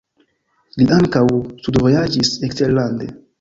Li ankaŭ studvojaĝis eksterlande.